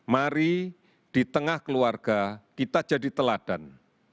mari di tengah keluarga kita jadi teladan